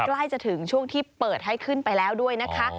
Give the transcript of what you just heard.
ใกล้จะถึงช่วงที่เปิดให้ขึ้นไปแล้วด้วยนะคะ